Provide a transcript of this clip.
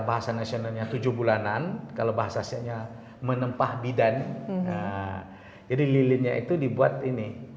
bahasa nasionalnya tujuh bulanan kalau bahasa saya menempah bidan jadi lilinnya itu dibuat ini